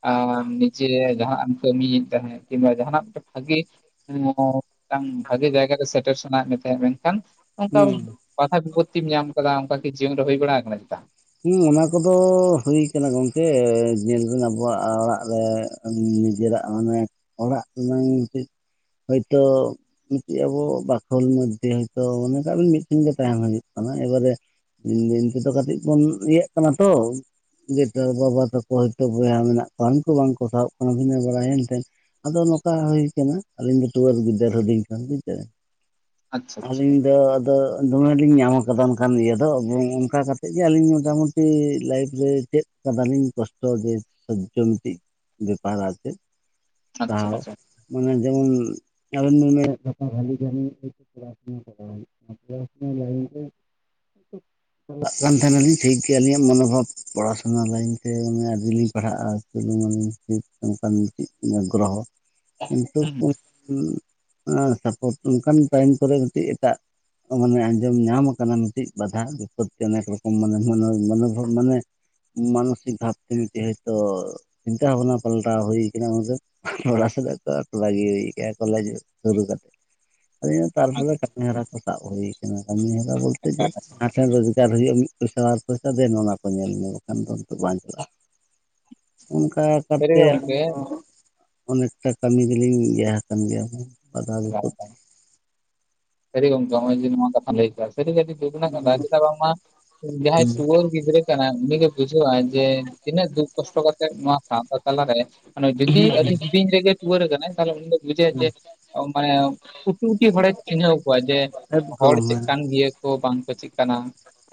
ᱟᱢ ᱱᱤᱡᱮ ᱡᱟᱦᱟᱸ ᱮᱢ ᱠᱟᱹᱢᱤ ᱮᱫ ᱛᱟᱦᱮᱸᱫ ᱠᱤᱢᱵᱟ ᱡᱟᱦᱟᱸᱱᱟᱜ ᱢᱤᱫᱴᱮᱱ ᱵᱷᱟᱹᱜᱮ [inaudible] ᱢᱤᱫᱴᱟᱝ ᱵᱷᱟᱜᱮ ᱡᱟᱭᱜᱟ ᱨᱮ ᱥᱮᱴᱮᱨ ᱥᱟᱱᱟᱭᱮᱫ ᱢᱮ ᱛᱟᱦᱮᱸᱫ ᱢᱮᱱᱠᱷᱟᱱ ᱚᱱᱠᱟ ᱦᱩᱸ ᱵᱟᱫᱷᱟ ᱵᱤᱯᱚᱛᱛᱤ ᱧᱟᱢ ᱟᱠᱟᱫᱟ ᱚᱱᱠᱟᱠᱤ ᱡᱤᱭᱚᱱ ᱨᱮ ᱦᱩᱭ ᱵᱟᱲᱟ ᱟᱠᱟᱱᱟ ᱪᱮᱛᱟ? ᱦᱩᱸ ᱚᱱᱟ ᱠᱚᱫᱚ ᱦᱩᱭ ᱠᱟᱱᱟ ᱜᱚᱝᱠᱮ ᱡᱤᱭᱚᱱ ᱨᱮᱱ ᱟᱵᱚᱣᱟᱜ ᱟᱲᱟᱜ ᱨᱮ ᱱᱤᱡᱮᱨᱟᱜ ᱢᱟᱱᱮ ᱚᱲᱟᱜ ᱨᱮᱱᱟᱝ ᱪᱮᱫ ᱦᱚᱭᱛᱚ ᱢᱤᱫᱴᱤᱡ ᱟᱵᱚ ᱵᱟᱠᱷᱳᱞ ᱢᱚᱫᱽᱫᱷᱮ ᱦᱚᱭᱛᱳ ᱢᱚᱱᱮ ᱠᱟᱜ ᱵᱤᱱ ᱢᱤᱫᱴᱷᱮᱱ ᱜᱮ ᱛᱟᱦᱮ ᱦᱳᱭᱩᱜ ᱠᱟᱱᱟ ᱮᱠᱵᱟᱨᱮ ᱫᱤᱱ ᱫᱤᱱ ᱛᱮᱫᱚ ᱠᱟᱹᱴᱤᱡ ᱵᱚᱱ ᱤᱭᱟᱹᱜ ᱠᱟᱱᱟ ᱛᱚ ᱜᱮᱛᱚ ᱵᱟᱵᱟ ᱛᱟᱠᱚ ᱦᱳᱭᱛᱚ ᱵᱚᱭᱦᱟ ᱢᱮᱱᱟᱜ ᱠᱚᱣᱟ ᱩᱱᱠᱩ ᱵᱟᱝᱠᱚ ᱥᱟᱦᱟᱵ ᱠᱟᱱᱟ ᱵᱷᱤᱱᱟᱹ ᱵᱟᱲᱟ ᱦᱮᱱᱛᱮᱱ ᱟᱫᱚ ᱱᱚᱠᱟ ᱦᱩᱭ ᱠᱟᱱᱟ ᱟᱹᱞᱤᱧ ᱫᱚ ᱴᱩᱣᱟᱹᱨ ᱜᱤᱫᱟᱹᱨ ᱦᱩᱰᱤᱧ ᱠᱟᱱ ᱵᱩᱡ [unintelligible] ᱟᱪᱪᱷᱟ ᱟᱪᱪᱷᱟ ᱟᱹᱞᱤᱧ ᱫᱚ ᱟᱫᱚ ᱫᱚᱢᱮ ᱞᱤᱧ ᱧᱟᱢ ᱠᱟᱫᱟ ᱚᱱᱠᱟᱱ ᱤᱭᱟᱹ ᱫᱚ [unintelligible] ᱚᱱᱠᱟ ᱠᱟ ᱛᱮᱡᱜᱮ ᱟᱹᱞᱤᱧ ᱢᱚᱴᱟᱢᱩᱴᱤ ᱞᱟᱭᱤᱯᱷ ᱨᱮ ᱪᱮᱫ ᱠᱟᱫᱟᱞᱤᱧ ᱠᱚᱥᱴᱚ ᱡᱮ ᱥᱚᱦᱡᱚ ᱢᱤᱫᱴᱤᱡ ᱵᱮᱯᱟᱨ ᱟᱨ ᱪᱮᱫ ᱟᱪᱪᱷᱟ ᱥᱟᱦᱟᱣ ᱟᱪᱪᱷᱟ ᱢᱟᱱᱮ ᱡᱮᱢᱚᱱ ᱟᱵᱤᱱ ᱵᱤᱱ ᱢᱮᱱᱮᱫ [unintelligible] [unintelligible] ᱪᱟᱞᱟᱜ ᱠᱟᱱ ᱛᱟᱦᱮᱱᱟᱞᱤᱧ ᱥᱮᱭᱮᱜᱮ ᱟᱹᱞᱤᱧᱟᱜ ᱢᱚᱱᱳᱵᱷᱟᱵᱽ [unintelligible] ᱯᱚᱲᱟᱥᱩᱱᱟ ᱞᱟᱹᱭᱤᱱ ᱛᱮ ᱢᱟᱱᱮ ᱟᱹᱰᱤ ᱞᱤᱧ ᱯᱟᱲᱦᱟᱜᱼᱟ [unintelligible] ᱱᱚᱱᱠᱟᱱ ᱪᱮᱫ ᱜᱨᱚᱦᱚ ᱦᱩᱸ ᱦᱩᱸ [unintelligible] ᱥᱟᱯᱳᱴ ᱚᱱᱠᱟᱱ ᱴᱟᱭᱤᱢ ᱠᱚᱨᱮ ᱠᱟᱹᱴᱤᱡ ᱮᱴᱟᱜ ᱢᱟᱱᱮ ᱟᱸᱡᱚᱢ ᱧᱟᱢ ᱠᱟᱱᱟ ᱢᱤᱫᱴᱤᱡ ᱵᱟᱫᱷᱟ ᱵᱤᱯᱚᱛ ᱚᱱᱮᱠ ᱨᱚᱠᱚᱢ ᱢᱟᱱᱮ ᱢᱟᱱᱮ ᱢᱟᱱᱮ ᱢᱟᱱᱥᱤᱠ ᱵᱷᱟᱵ ᱛᱮᱢᱤᱛ ᱦᱚᱭᱛᱚ ᱪᱤᱱᱛᱟᱹ ᱵᱷᱟᱵᱽᱱᱟ ᱯᱟᱞᱴᱟᱣ ᱦᱩᱭ ᱠᱟᱱᱟ ᱩᱱ ᱨᱮ ᱚᱲᱟᱜ ᱥᱮᱫᱟᱜ ᱠᱚ ᱵᱷᱟᱜᱤ ᱦᱩᱭ ᱠᱚᱞᱮᱡᱽ ᱥᱩᱨᱩ ᱠᱟᱛᱮ [unintelligible] ᱛᱟᱨᱯᱚᱨᱮ ᱟᱪᱪᱷᱟ ᱠᱟᱹᱢᱤ ᱦᱚᱨᱟ ᱠᱚ ᱥᱟᱵ ᱦᱩᱭ ᱠᱟᱹᱢᱤᱦᱚᱨᱟ ᱵᱚᱞᱛᱮ ᱡᱮ ᱟᱪᱪᱷᱟ ᱪᱮᱫ [unintelligible] ᱟᱨ ᱦᱩᱭᱩᱜᱼᱟ ᱢᱤᱫ ᱯᱚᱭᱥᱟ ᱵᱟᱨ ᱯᱚᱭᱥᱟ ᱫᱮᱱ ᱚᱱᱟ ᱠᱚ ᱧᱮᱞ ᱢᱮ ᱵᱟᱠᱷᱟᱱ ᱫᱚ ᱱᱤᱛᱚᱜ ᱵᱟᱝ ᱪᱟᱞᱟᱜᱼᱟ ᱥᱟᱹᱨᱤ ᱚᱱᱠᱟᱛᱮ ᱜᱮ ᱜᱚᱝᱠᱮ ᱟᱨᱚᱸ ᱚᱱᱮᱠᱴᱟ ᱠᱟᱹᱢᱤ ᱜᱮ ᱞᱤᱧ ᱤᱭᱟᱹ ᱟᱠᱟᱱ ᱜᱮᱭᱟ ᱵᱟᱫᱷᱟ ᱵᱤᱯᱚᱫ ᱥᱟᱹᱨᱤ ᱜᱚᱝᱠᱮ ᱱᱚᱜ ᱚᱭ ᱡᱮ ᱱᱚᱣᱟ ᱠᱟᱛᱷᱟ ᱞᱟᱹᱭ ᱠᱮᱫᱟ ᱥᱟᱹᱨᱤ ᱜᱮ ᱟ. ᱰᱤ ᱦᱩᱸ [unintelligible] ᱡᱟᱦᱟᱸᱭ ᱴᱩᱟᱹᱨ ᱜᱤᱫᱽᱨᱟᱹ ᱠᱟᱱᱟ ᱩᱱᱤ ᱜᱮ ᱵᱩᱡᱷᱟᱹᱟᱭ ᱡᱮ ᱛᱤᱱᱟᱹᱜ ᱫᱩᱠ ᱠᱚᱥᱴᱚ ᱠᱟᱛᱮᱜ ᱱᱚᱣᱟ ᱥᱟᱶᱛᱟ ᱛᱟᱞᱟᱨᱮ [unintelligible] ᱡᱩᱫᱤ ᱟᱹᱰᱤ ᱦᱩᱰᱤᱧ ᱨᱮᱜᱮ ᱴᱩᱣᱟᱹᱨ ᱟᱠᱟᱱᱟᱭ ᱛᱟᱦᱚᱞᱮ ᱩᱱᱤ ᱫᱚᱭ ᱵᱩᱡᱟᱹᱭᱟ ᱡᱮ ᱦᱩᱸ ᱚ ᱢᱟᱱᱮ ᱩᱴᱤ ᱩᱴᱤ ᱦᱚᱲᱮ ᱪᱤᱱᱦᱟᱹᱣ ᱠᱚᱣᱟ ᱡᱮ ᱦᱚᱲ ᱮᱠᱫᱚᱢ ᱪᱮᱫ ᱦᱮᱸ ᱠᱟᱱ ᱜᱤᱭᱟ ᱠᱚ ᱵᱟᱝ ᱠᱚ ᱪᱮᱫ ᱠᱟᱱᱟ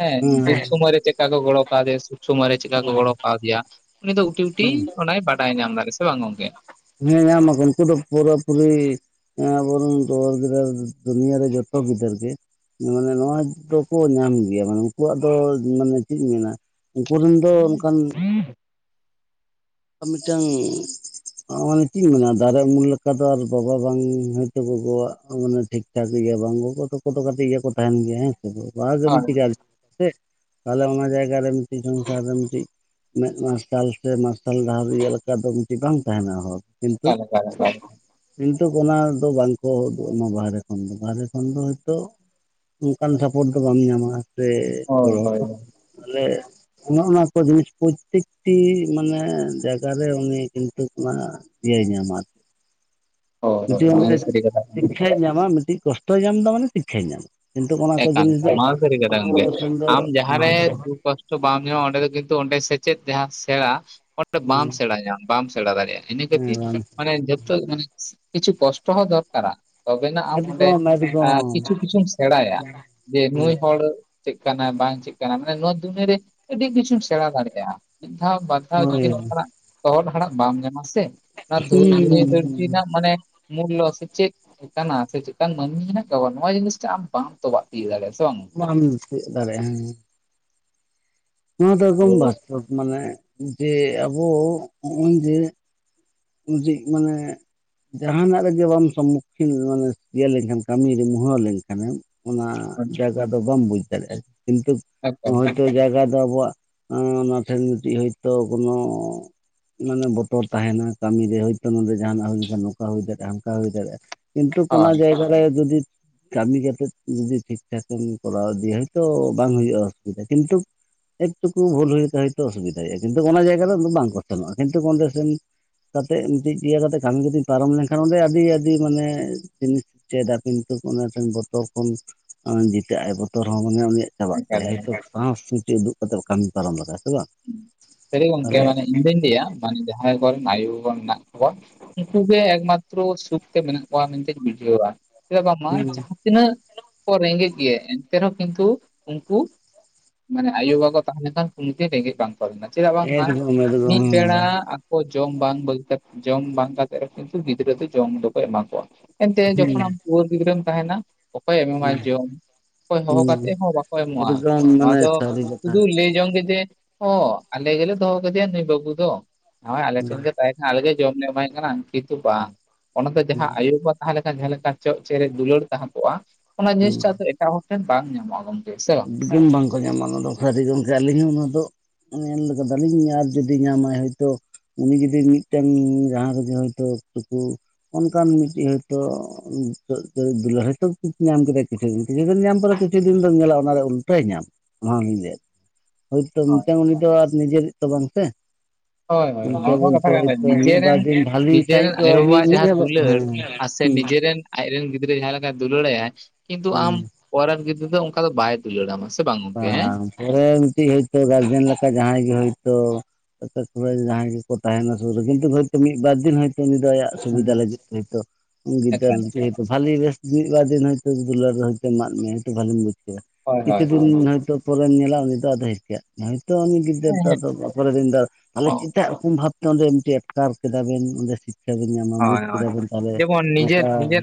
ᱦᱮᱸ ᱦᱩᱸ ᱫᱩᱠ ᱥᱚᱢᱚᱭ ᱨᱮ ᱪᱮᱫᱠᱟ ᱠᱚ ᱜᱚᱲᱚ ᱠᱟᱣᱫᱮᱭᱟ ᱥᱚᱢᱚᱭ ᱨᱮ ᱪᱮᱠᱟ ᱠᱚ ᱜᱚᱲᱚ ᱠᱟᱣᱫᱮᱭᱟ ᱩᱱᱤ ᱫᱚ ᱠᱩᱴᱤᱼᱩᱴᱤ ᱦᱩᱸ ᱚᱱᱟᱭ ᱵᱟᱰᱟᱭ ᱧᱟᱢ ᱫᱟ ᱥᱮ ᱵᱟᱝ ᱜᱚᱝᱠᱮ? ᱦᱮᱸ ᱧᱟᱢ ᱟᱵᱚᱱ ᱩᱱᱠᱩ ᱫᱚ ᱯᱩᱨᱟᱹ ᱯᱤᱨᱤ ᱦᱮᱸ ᱟᱵᱚ ᱨᱤᱱ ᱴᱩᱣᱟᱹᱨ ᱜᱤᱫᱽᱨᱟᱹ ᱫᱩᱱᱤᱭᱟᱹ ᱨᱮ ᱡᱚᱛᱚ ᱜᱤᱫᱟᱹᱨ ᱜᱮ ᱢᱟᱱᱮ ᱱᱚᱣᱟ ᱫᱚ ᱠᱚ ᱧᱟᱢ ᱜᱮᱭᱟ ᱢᱟᱱᱮ ᱩᱱᱠᱩᱣᱟᱜ ᱫᱚ ᱢᱟᱱᱮ ᱪᱮᱫ ᱤᱧ ᱢᱮᱱᱟ ᱩᱱᱠᱩ ᱨᱤᱱ ᱫᱚ ᱚᱱᱠᱟᱱ ᱢᱤᱫᱴᱟᱹᱝ ᱢᱟᱱᱮ ᱪᱤᱧ ᱢᱮᱱᱟ ᱫᱟᱨᱮ ᱩᱢᱩᱞ ᱞᱮᱠᱟ ᱫᱚ ᱟᱨ ᱵᱟᱵᱟ ᱵᱟᱝ ᱦᱚᱭᱛᱚ ᱜᱚᱜᱚᱣᱟᱜ ᱢᱟᱱᱮ ᱴᱷᱤᱠ ᱟᱪᱪᱷᱟ ᱵᱟᱝ ᱠᱟᱛᱮ ᱜᱮ ᱠᱚ ᱛᱟᱦᱮᱱ ᱜᱮᱭᱟ ᱦᱮᱸ ᱥᱮ ᱦᱳᱭ ᱵᱟᱝ [unintelligible] ᱛᱟᱦᱚᱞᱮ ᱚᱱᱟ ᱡᱟᱭᱜᱟ ᱨᱮ ᱢᱤᱫᱴᱤᱡ [unintelligible] ᱢᱤᱫᱴᱤᱡ ᱢᱮᱫ ᱢᱟᱨᱥᱟᱞ ᱥᱮ ᱢᱟᱨᱥᱟᱞ ᱥᱟᱞ ᱰᱟᱦᱟᱨ ᱤᱭᱟᱹ ᱞᱮᱠᱟ ᱫᱚ ᱢᱤᱫᱴᱤᱡ ᱵᱟᱝ ᱛᱟᱦᱮᱱᱟ ᱦᱚᱲ ᱠᱤᱱᱛᱩ ᱮᱠᱟᱞ ᱮᱠᱟᱞ ᱮᱠᱟᱞ ᱠᱤᱱᱛᱩ ᱚᱱᱟ ᱫᱚ ᱵᱟᱝᱠᱚ ᱩᱫᱩᱜ ᱟᱢᱟ ᱵᱟᱦᱨᱮ ᱠᱷᱚᱱ ᱫᱚ ᱵᱟᱦᱨᱮ ᱠᱷᱚᱱ ᱫᱚ ᱦᱚᱭᱛᱳ ᱚᱱᱠᱟᱱ ᱥᱟᱯᱳᱨᱴ ᱫᱚ ᱵᱟᱢ ᱧᱟᱢᱟ ᱥᱮ ᱦᱳᱭ ᱜᱚᱲᱚ ᱦᱳᱭ ᱛᱟᱦᱚᱞᱮ ᱚᱱᱮ ᱚᱱᱟ ᱠᱚ ᱡᱤᱱᱤᱥ ᱯᱨᱚᱛᱛᱮᱠᱴᱤ ᱢᱟᱱᱮ ᱡᱟᱭᱜᱟ ᱨᱮ ᱩᱱᱤ ᱠᱤᱱᱛᱩ ᱚᱱᱟ ᱤᱭᱟᱹᱭ ᱧᱟᱢᱟ ᱦᱳᱭ ᱦᱳᱭ ᱱᱚᱣᱟ ᱫᱚ ᱢᱤᱫᱴᱤᱡ ᱥᱟᱹᱨᱤ ᱠᱟᱛᱷᱟ ᱠᱟᱱᱟ ᱥᱤᱠᱠᱷᱟᱭ ᱧᱟᱢᱟ ᱢᱤᱫᱴᱤᱡ ᱠᱚᱥᱴᱚᱭ ᱧᱟᱢ ᱫᱟ ᱢᱟᱱᱮ ᱥᱤᱠᱠᱟᱭ ᱧᱟᱢᱟ ᱠᱤᱱᱛᱩ ᱚᱱᱟ ᱠᱚ ᱮᱠᱟᱞ ᱡᱤᱱᱤᱥ ᱱᱚᱣᱟ ᱫᱚ ᱥᱟᱹᱨᱤ ᱠᱟᱛᱷᱟ ᱜᱚᱝᱠᱮ ᱫᱚ ᱟᱢ ᱡᱟᱦᱟᱸᱨᱮ ᱫᱩᱠ ᱠᱚᱥᱴᱚ ᱵᱟᱢ ᱧᱟᱢᱟ ᱚᱸᱰᱮ ᱫᱚ ᱠᱤᱱᱛᱩ ᱚᱸᱰᱮ ᱥᱮᱪᱮᱫ ᱡᱟᱦᱟᱸ ᱥᱮᱬᱟ ᱚᱸᱰᱮ ᱵᱟᱢ ᱥᱮᱬᱟ ᱧᱟᱢᱟ ᱵᱟᱢ ᱥᱮᱬᱟ ᱫᱟᱲᱮᱭᱟᱜᱼᱟ ᱤᱱᱟᱹ ᱠᱷᱟᱹᱛᱤᱨ ᱢᱟᱱᱮ ᱡᱚᱛᱚ ᱢᱟᱱᱮ ᱠᱤᱪᱷᱩ ᱠᱚᱥᱴᱚ ᱦᱚᱸ ᱫᱚᱨᱠᱟᱨᱟ ᱛᱚᱵᱮᱱᱟᱜ ᱟᱢ ᱚᱸᱰᱮ ᱮᱠᱫᱚᱢ ᱮᱠᱫᱚᱢ ᱠᱤᱪᱷᱩ ᱠᱤᱪᱷᱩᱢ ᱥᱮᱬᱟᱭᱟ ᱡᱮ ᱱᱩᱭ ᱦᱚᱲ ᱪᱮᱫ ᱠᱟᱱᱟᱭ ᱵᱟᱝ ᱪᱮᱫ ᱠᱟᱱᱟᱭ ᱢᱟᱱᱮ ᱱᱚᱣᱟ ᱫᱩᱱᱭᱟᱹᱨᱮ ᱟᱹᱰᱤ ᱠᱤᱪᱷᱩᱢ ᱥᱮᱲᱟ ᱫᱟᱲᱮᱭᱟᱜᱼᱟ ᱢᱤᱫ ᱫᱷᱟᱣ ᱵᱟᱨ ᱫᱷᱟᱣ ᱦᱳᱭ ᱡᱩᱫᱤ ᱚᱱᱠᱟᱱᱟᱜ ᱛᱚᱦᱚᱫ ᱦᱟᱲᱟᱜ ᱵᱟᱢ ᱧᱟᱢᱟ ᱥᱮ ᱚᱱᱟ ᱫᱷᱩᱲᱤ ᱫᱷᱟᱹᱨᱛᱤ ᱨᱮᱱᱟᱜ ᱢᱟᱱᱮ ᱢᱩᱞᱞᱚ ᱥᱮ ᱪᱮᱫ ᱞᱮᱠᱟᱱᱟᱜ ᱥᱮ ᱪᱮᱫ ᱠᱟᱱ ᱢᱟᱹᱱᱢᱤ ᱦᱮᱱᱟᱜ ᱠᱚᱣᱟ ᱱᱚᱣᱟ ᱡᱤᱱᱤᱥ ᱴᱟᱜ ᱟᱢ ᱵᱟᱢ ᱛᱚᱵᱟᱜ ᱛᱤᱭᱩᱜ ᱞᱟᱜᱟᱜ ᱥᱮ ᱵᱟᱝ ᱜᱚᱝᱠᱮ? ᱵᱟᱢ [unintelligible] ᱫᱟᱲᱮᱭᱟᱜᱼᱟ ᱦᱮᱸ ᱱᱚᱣᱟ ᱫᱚ ᱚ ᱮᱠᱫᱚᱢ ᱵᱟᱥᱛᱚᱵᱽ ᱢᱟᱱᱮ ᱡᱮ ᱟᱵᱚ ᱦᱚᱸᱜᱼᱚᱭ ᱡᱮ ᱡᱮ ᱢᱟᱱᱮ ᱡᱟᱦᱟᱸᱱᱟᱜ ᱨᱮᱜᱮ ᱵᱟᱢ ᱥᱚᱢᱢᱩᱠᱷᱤᱱ ᱢᱟᱱᱮ ᱤᱭᱟᱹ ᱞᱮᱱᱠᱷᱟᱱ ᱠᱟᱹᱢᱤ ᱨᱮ ᱢᱩᱦᱟᱹ ᱞᱮᱱ ᱠᱷᱟᱱᱮᱢ ᱚᱱᱟ ᱡᱟᱭᱜᱟ ᱫᱚ ᱵᱟᱢ ᱵᱩᱡᱽ ᱫᱟᱲᱮᱭᱟᱜᱼᱟ ᱠᱤᱱᱛᱩ ᱮᱠᱟᱞ ᱦᱳᱭ ᱦᱚᱭᱛᱳ ᱡᱟᱭᱜᱟ ᱫᱚ ᱟᱵᱚᱣᱟᱜ ᱚᱱᱟ ᱴᱷᱮᱱ ᱢᱤᱫᱴᱤᱡ ᱦᱚᱳᱭᱛᱚ ᱠᱳᱱᱳ ᱢᱟᱱᱮ ᱵᱚᱛᱚᱨ ᱛᱟᱦᱮᱸᱱᱟ ᱠᱟᱹᱢᱤ ᱨᱮ ᱦᱚᱭᱛᱳ ᱱᱚᱰᱮ ᱡᱟᱦᱟᱸᱱᱟᱜ ᱦᱩᱭ ᱞᱮᱠᱷᱟᱱ ᱱᱚᱝᱠᱟ ᱦᱩᱭ ᱫᱟᱲᱮᱭᱟᱜᱼᱟ ᱚᱱᱠᱟ ᱦᱩᱭ ᱫᱟᱲᱮᱭᱟᱜᱼᱟ ᱠᱤᱱᱛᱩ ᱠᱚᱱᱚ ᱡᱟᱭᱜᱟ ᱨᱮ ᱡᱩᱫᱤ ᱠᱟᱹᱢᱤ ᱠᱟᱛᱮᱫ ᱡᱩᱫᱤ ᱴᱷᱤᱠ ᱴᱷᱟᱠ ᱮᱢ ᱠᱚᱨᱟᱣ ᱤᱫᱤᱭᱟ ᱦᱚᱭᱛᱚ ᱵᱟᱝ ᱦᱩᱭᱩᱜᱼᱟ ᱚᱥᱩᱵᱤᱫᱷᱟ ᱠᱤᱱᱛᱩ ᱮᱠ ᱴᱩᱠᱩ ᱵᱷᱩᱞ ᱦᱩᱭ ᱛᱮ ᱦᱳᱭ ᱛᱚ ᱚᱥᱩᱤᱫᱟ ᱦᱩᱭᱩᱜᱼᱟ ᱠᱤᱱᱛᱩ ᱚᱱᱟ ᱡᱟᱭᱜᱟ ᱨᱮ ᱵᱟᱝᱠᱚ ᱥᱮᱱᱚᱜᱼᱟ ᱠᱤᱱᱛᱩ ᱚᱸᱰᱮ ᱥᱮᱱ ᱠᱟᱛᱮᱫ ᱢᱤᱫᱴᱮᱱ ᱤᱭᱟᱹ ᱠᱟᱛᱮᱮᱫ ᱠᱟᱹᱢᱤ ᱠᱟᱛᱮ ᱠᱟᱛᱮᱧ ᱯᱟᱨᱚᱢ ᱞᱮᱱᱠᱷᱟᱱ ᱚᱸᱰᱮ ᱟᱹᱰᱤ ᱟᱹᱰᱤ ᱢᱟᱱᱮ ᱡᱤᱱᱤᱥ ᱪᱮᱫᱟ ᱠᱤᱱᱛᱩ ᱚᱱᱟᱴᱮᱱ ᱵᱚᱛᱚᱨ ᱠᱷᱚᱱ ᱡᱤᱛᱟᱹᱜ ᱟᱭ ᱵᱚᱛᱚᱨ ᱦᱚᱸ ᱢᱟᱱᱮ ᱩᱱᱤᱭᱟᱜ ᱪᱟᱵᱟᱜ ᱮᱠᱟᱞ ᱛᱟᱭᱟ ᱦᱚᱭᱛᱳ ᱮᱠᱟᱞ ᱥᱟᱥ ᱥᱩᱴᱤ ᱩᱫᱩᱜ ᱠᱟᱛᱮ ᱠᱟᱹᱢᱤ ᱯᱟᱨᱚᱢ ᱞᱮᱠᱟ ᱥᱮ ᱵᱟᱝ ᱥᱟᱹᱨᱤ ᱜᱚᱝᱠᱮ ᱛᱟᱦᱚᱞᱮ ᱢᱟᱱᱮ ᱤᱧ ᱫᱩᱧ ᱞᱟᱹᱭᱟ ᱢᱟᱱᱮ ᱡᱟᱦᱟᱸᱭ ᱠᱚᱨᱮ ᱟᱭᱳ ᱵᱟᱵᱟ ᱢᱮᱱᱟᱜ ᱠᱚᱣᱟ ᱩᱱᱠᱩ ᱜᱮ ᱮᱠᱢᱟᱛᱨᱚ ᱥᱩᱠᱛᱮ ᱢᱮᱱᱟᱜ ᱠᱚᱣᱟ ᱢᱮᱱ ᱛᱤᱧ ᱵᱩᱡᱷᱟᱹᱣᱟ ᱪᱮᱫᱟᱜ ᱵᱟᱝᱢᱟ ᱮᱠᱫᱚᱢ ᱮᱠᱫᱚᱢ ᱡᱟᱦᱟᱸ ᱛᱤᱱᱟᱹᱜ ᱠᱚ ᱨᱮᱸᱜᱮᱡ ᱜᱮᱭᱟ ᱮᱱᱛᱮ ᱨᱮᱦᱚᱸ ᱠᱤᱱᱛᱩ ᱩᱱᱠᱩ ᱢᱟᱱᱮ ᱟᱭᱳᱼᱵᱟᱵᱟ ᱛᱟᱦᱮᱸ ᱞᱮᱱᱠᱷᱟᱱ ᱫᱤᱱ ᱨᱮᱸᱜᱮᱡ ᱵᱟᱝ ᱛᱚᱞ ᱞᱮᱱᱟ ᱪᱮᱫᱟᱜ ᱦᱮᱸ ᱵᱟᱝᱢᱟ ᱢᱤᱫ ᱵᱮᱲᱟ ᱡᱚᱢ ᱵᱟᱝ ᱫᱚᱨᱠᱟᱨ ᱠ ᱡᱚᱢ ᱵᱟᱝ ᱠᱟᱛᱮᱫ ᱨᱮ ᱦᱚᱸ ᱠᱤᱱᱛᱩ ᱜᱤᱫᱽᱨᱟᱹ ᱫᱚ ᱡᱚᱢ ᱫᱚᱠᱚ ᱮᱢᱟ ᱠᱚᱣᱟ ᱮᱱᱛᱮᱫ ᱦᱩᱸ ᱡᱚᱠᱷᱚᱱ ᱟᱢ ᱴᱩᱣᱟᱹᱨ ᱜᱤᱫᱽᱨᱟᱹᱢ ᱛᱟᱦᱮᱸᱱᱟ ᱚᱠᱚᱭᱮ ᱮᱢᱟᱢᱟ ᱡᱚᱢ ᱚᱠᱚᱭ ᱦᱚᱦᱚ ᱦᱩᱸ ᱠᱟᱛᱮᱫ ᱦᱚᱸ ᱵᱟᱠᱚ ᱦᱩᱸ ᱮᱢᱚᱜᱼᱟ ᱮᱠᱫᱚᱢ ᱱᱚᱣᱟ ᱢᱟᱱᱮ ᱫᱚ ᱥᱟᱹᱨᱤ ᱠᱟᱛᱷᱟ ᱥᱩᱫᱩ ᱞᱟᱹᱭ ᱡᱚᱝ ᱜᱮ ᱡᱮ ᱚ ᱟᱞᱮ ᱜᱮᱞᱮ ᱫᱚᱦᱚ ᱠᱟᱫᱮᱭᱟ ᱱᱩᱭ ᱵᱟᱹᱵᱩ ᱫᱚ ᱱᱚᱜᱼᱚᱭ ᱟᱞᱮ ᱦᱩᱸ ᱴᱷᱮᱱ ᱜᱮ ᱛᱟᱦᱮᱸ ᱟᱞᱜᱮ ᱡᱚᱢ ᱞᱮ ᱮᱢᱟᱭ ᱠᱟᱱᱟ ᱠᱤᱱᱛᱩ ᱵᱟᱝ ᱚᱱᱟᱛᱮ ᱦᱩᱸ ᱡᱟᱦᱟᱸ ᱟᱹᱭᱩ ᱵᱟ ᱡᱟᱦᱟᱸ ᱞᱮᱠᱟ ᱡᱟᱦᱟᱸ ᱞᱮᱠᱟ ᱪᱚᱜ ᱪᱮᱨᱮᱡ ᱫᱩᱞᱟᱹᱲ ᱛᱟᱦᱮᱸ ᱠᱚᱜᱼᱟ ᱚᱱᱟ ᱦᱩᱸ ᱡᱤᱱᱤᱥ ᱴᱟᱜ ᱫᱚ ᱮᱴᱟᱜ ᱦᱚᱲ ᱴᱷᱮᱱ ᱵᱟᱝ ᱧᱟᱢᱚᱜᱼᱟ ᱜᱚᱝᱠᱮ [inaudible] ᱥᱮ ᱦᱟᱝ ᱜᱩᱱ ᱵᱟᱝᱠᱚ ᱧᱟᱢᱟ ᱚᱱᱟ ᱫᱚ ᱥᱟᱹᱨᱤ ᱜᱚᱢᱠᱮ ᱟᱹᱞᱤᱧ ᱱᱚᱫᱚ ᱧᱮᱞ ᱠᱮᱫᱟ ᱞᱤᱧ ᱟᱨ ᱡᱩᱫᱤ ᱧᱟᱢᱟᱭ ᱦᱤᱛᱳᱜ ᱩᱱᱤ ᱡᱩᱫᱤ ᱢᱤᱫᱴᱟᱝ ᱡᱟᱦᱟᱸ ᱨᱮᱜᱮ ᱦᱭᱛᱳ ᱩᱠᱩ ᱚᱱᱠᱟᱱ ᱢᱤᱫᱴᱮᱱ ᱦᱚᱭᱛᱳ ᱱᱤᱛᱚᱜ ᱫᱚ ᱫᱩᱞᱟᱹᱲ ᱦᱚᱭᱛᱚ ᱧᱟᱢ ᱠᱮᱫᱟᱭ ᱠᱤᱪᱷᱩ ᱫᱤᱱ ᱠᱤᱪᱷᱩ ᱫᱤᱱ ᱧᱟᱢ ᱯᱚᱨ ᱠᱤᱪᱷᱩ ᱫᱤᱱ ᱫᱚ ᱧᱮᱞᱚᱜ-ᱟ ᱚᱱᱟᱨᱮ ᱩᱞᱴᱟᱹᱭ ᱧᱟᱢ ᱚᱱᱟᱞᱤᱧ ᱞᱟᱹᱭᱮᱫ ᱦᱳᱭᱛᱳ ᱦᱳᱭ ᱢᱤᱫᱴᱟᱝ ᱩᱱᱤ ᱫᱚ ᱟᱨ ᱱᱤᱡᱮᱨᱤᱡ ᱛᱚ ᱵᱟᱝ ᱥᱮ ᱦᱳᱭ ᱦᱳᱭ ᱜᱚᱝᱠᱮ ᱱᱚᱣᱟ ᱢᱟ ᱵᱚᱞᱛᱮ ᱠᱟᱛᱷᱟ ᱠᱟᱱ ᱜᱮ ᱦᱚᱭᱛᱳ ᱢᱤᱫ ᱱᱤᱡᱮᱨᱮᱱ ᱵᱟᱨ ᱫᱤᱱ ᱵᱷᱟᱞᱤ ᱱᱤᱡᱮᱨᱮᱱ ᱥᱟᱦᱤᱡ [unintelligible] ᱟᱭᱳᱼᱵᱟᱵᱟᱣᱟᱜ ᱡᱟᱦᱟᱸ ᱫᱩᱞᱟᱹᱲ ᱟᱨ ᱥᱮ ᱱᱤᱡᱮᱨᱮᱱ ᱟᱡᱨᱮ ᱨᱮᱱ ᱜᱤᱫᱽᱨᱟᱹ ᱡᱟᱦᱟᱸ ᱞᱮᱠᱟᱭ ᱫᱩᱞᱟᱹᱲᱟᱭᱟᱭ ᱠᱤᱱᱛᱩ ᱟᱢ ᱦᱩᱸ ᱯᱚᱨ ᱨᱮᱱ ᱜᱤᱫᱽᱨᱟᱹ ᱫᱚ ᱚᱱᱠᱟ ᱫᱚ ᱵᱟᱭ ᱫᱩᱞᱟᱹᱲᱢᱟ ᱥᱮ ᱵᱟᱝ ᱜᱚᱝᱠᱮ ᱦᱮᱸ ᱯᱚᱨᱮ ᱢᱤᱫ ᱴᱤᱡ ᱦᱚᱭᱛᱚ ᱜᱟᱨᱡᱮᱱ ᱞᱮᱠᱟ ᱡᱟᱦᱟᱸᱭ ᱜᱮ ᱦᱳᱭᱛᱚ ᱡᱟᱦᱟᱸᱭ ᱜᱮᱠᱚ ᱛᱟᱦᱮᱸᱱᱟ ᱥᱩᱨ ᱨᱮ ᱠᱤᱱᱛᱩ ᱢᱤᱫ ᱵᱟᱨ ᱫᱤᱱ ᱦᱚᱭᱛ ᱩᱱᱤ ᱫᱚ ᱟᱭᱟᱜ ᱦᱮᱸ᱾ ᱥᱩᱵᱤᱫᱷᱟ ᱞᱟᱹᱜᱤᱫ ᱛᱮ ᱦᱚᱭᱛᱚ ᱜᱤᱫᱟᱹᱨ ᱮᱠᱟᱞ ᱮᱠᱟᱞ ᱵᱷᱟᱞᱤ ᱵᱮᱥ ᱢᱤᱫᱵᱟᱨ ᱫᱤᱱ ᱦᱚᱭᱛᱚ ᱫᱩᱞᱟᱹᱲ ᱨᱮ ᱦᱚᱭᱛᱳ ᱮᱢᱟᱜ ᱢᱮᱭᱟᱭ ᱦᱚᱭᱛᱳ ᱵᱷᱷᱟᱞᱤᱢ ᱵᱩᱡᱽ ᱠᱮᱫᱟ ᱦᱳᱭ ᱦᱳᱭ [unintelligible] ᱦᱳᱭ ᱦᱚᱭᱛᱚ ᱯᱚᱨᱮᱢ ᱧᱮᱞᱟ ᱩᱱᱤ ᱫᱚ ᱟᱫᱚ ᱦᱤᱨᱠᱟᱹᱜ ᱢᱮᱭᱟ ᱦᱚᱭᱛᱚ ᱩᱱᱤ ᱜᱤᱫᱽᱨᱟᱹ ᱦᱮᱸ ᱦᱮᱸ ᱫᱚ ᱯᱚᱨᱮ ᱫᱤᱱ ᱫᱚ ᱟᱞᱮ ᱪᱮᱫᱟᱜ ᱨᱚᱠᱚᱢ ᱵᱷᱟᱵᱛᱮ ᱚᱸᱰᱮ ᱢᱤᱫᱴᱮᱡ ᱟᱴᱠᱟᱨ ᱠᱮᱫᱟ ᱵᱮᱱ ᱚᱸᱰᱮ ᱠᱷᱟ ᱵᱤᱱ ᱧᱟᱢᱟ ᱵᱩᱡ ᱦᱳᱭ ᱦᱳᱭ ᱠᱮᱫᱟᱵᱚᱱ ᱛᱟᱦᱚᱞᱮ ᱡᱮᱢᱚᱱ ᱱᱤᱡᱮᱨ ᱱᱚᱝᱠᱟ ᱱᱤᱡᱮᱨ